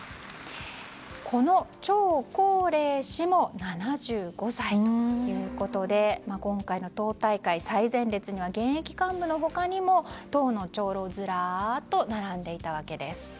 このチョウ・コウレイ氏も７５歳ということで今回の党大会最前列には現役幹部の他にも党の長老がずらっと並んでいたわけです。